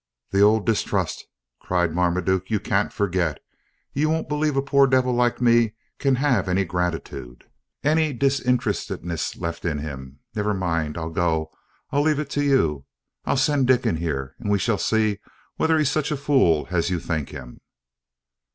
"The old distrust!" cried Marmaduke; "you can't forget. You won't believe a poor devil like me can have any gratitude, any disinterestedness left in him. Never mind, I'll go. I'll leave it to you. I'll send Dick in here, and we shall see whether he's such a fool as you think him."